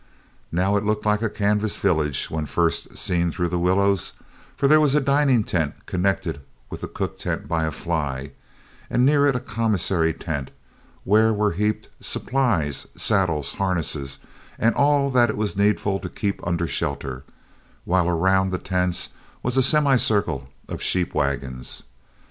Now it looked like a canvas village when first seen through the willows, for there was a dining tent connected with the cook tent by a fly, and near it a commissary tent where were heaped supplies, saddles, harness and all that it was needful to keep under shelter, while around the tents was a semicircle of sheep wagons.